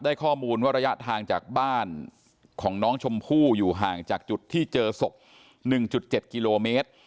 ข้อมูลว่าระยะทางจากบ้านของน้องชมพู่อยู่ห่างจากจุดที่เจอศพ๑๗กิโลเมตร